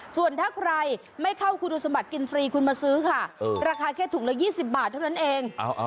ส่วนถ้าใครไม่เข้าคุณสมบัติกินฟรีคุณมาซื้อค่ะราคาแค่ถุงละ๒๐บาทเท่านั้นเอง